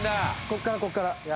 ここからここから。